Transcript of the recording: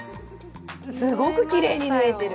すごくきれいに縫えてる。